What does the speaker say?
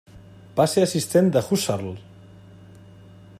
Va ser assistent de Husserl.